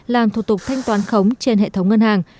làm thủ tục thanh toán khống trên hệ thống ngân hàng